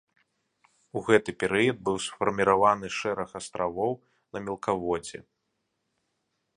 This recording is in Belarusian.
У гэты перыяд быў сфарміраваны шэраг астравоў на мелкаводдзі.